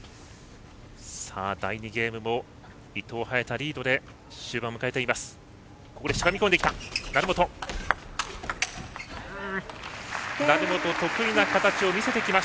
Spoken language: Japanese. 第２ゲームも伊藤、早田リードで終盤を迎えています。